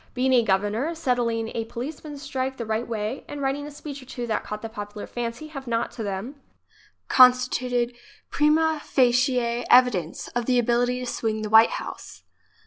Being a governor, settling a policemen's strike the right way and writing a speech or two that caught the popular fancy have not, to them, constituted prima facie evidence of the ability to swing the White House.